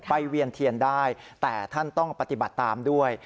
เวียนเทียนได้แต่ท่านต้องปฏิบัติตามด้วย